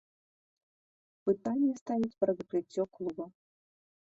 Пытанне стаіць пра закрыццё клуба.